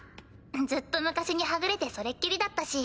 ずっと昔にはぐれてそれっきりだったし。